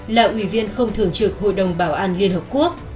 là ủy viên không thường trực hội đồng bảo an liên hợp quốc